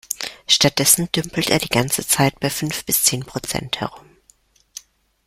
Stattdessen dümpelt er die ganze Zeit bei fünf bis zehn Prozent herum.